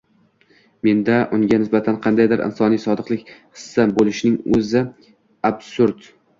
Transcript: Menda unga nisbatan qandaydir insoniy sodiqlik hissi boʻlishining oʻzi absurd.